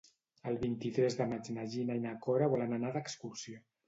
El vint-i-tres de maig na Gina i na Cora volen anar d'excursió.